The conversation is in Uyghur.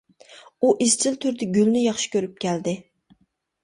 ئۇ ئىزچىل تۈردە گۈلنى ياخشى كۆرۈپ كەلدى.